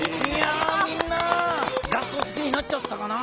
みんな合奏すきになっちゃったかな？